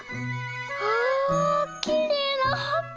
わあきれいなはこ！